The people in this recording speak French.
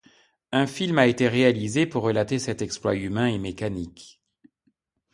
Un film a été réalisé pour relater cet exploit humain et mécanique.